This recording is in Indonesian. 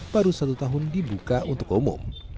baru satu tahun dibuka untuk umum